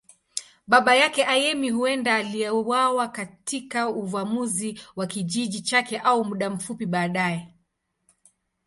Baba yake, Ayemi, huenda aliuawa katika uvamizi wa kijiji chake au muda mfupi baadaye.